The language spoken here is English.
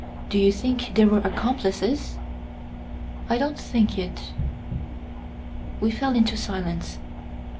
"Do you think there were accomplices?" "I don't think it " We fell into silence.